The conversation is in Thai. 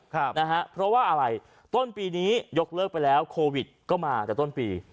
ครับนะฮะเพราะว่าอะไรต้นปีนี้ยกเลิกไปแล้วโควิดก็มาแต่ต้นปี